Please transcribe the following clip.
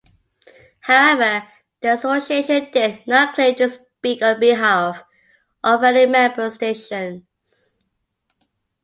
However, the association did not claim to speak on behalf of any member stations.